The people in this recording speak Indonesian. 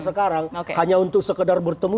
sekarang hanya untuk sekedar bertemu